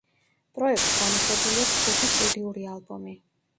პროექტს გამოშვებული აქვს ხუთი სტუდიური ალბომი.